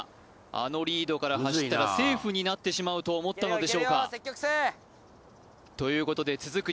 あのリードから走ったらセーフになってしまうと思ったのでしょうか？ということで続く